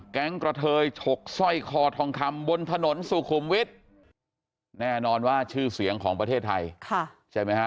กระเทยฉกสร้อยคอทองคำบนถนนสุขุมวิทย์แน่นอนว่าชื่อเสียงของประเทศไทยใช่ไหมฮะ